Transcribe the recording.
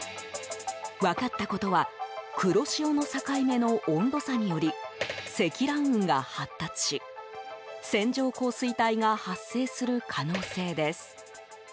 分かったことは、黒潮の境目の温度差により積乱雲が発達し線状降水帯が発生する可能性です。